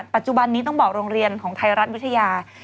ปัจจุบันนี้ต้องบอกโรงเรียนของไทยรัฐวิทยา